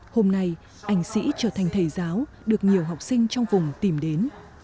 hôm nay anh sĩ trở thành thầy giáo được nhiều học sinh trong vùng tìm đến